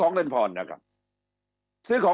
คำอภิปรายของสอสอพักเก้าไกลคนหนึ่ง